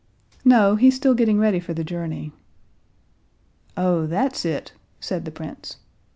"No, he's still getting ready for the journey." "Oh, that's it!" said the prince.